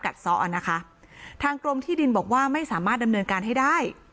ซ้ออ่ะนะคะทางกรมที่ดินบอกว่าไม่สามารถดำเนินการให้ได้